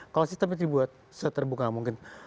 kalau sistem itu dibuat seterbuka mungkin